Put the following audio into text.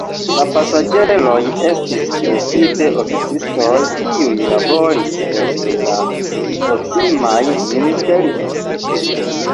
La pasaĝeroj estis precipe oficistoj, kiuj laboris en la proksimaj ministerioj.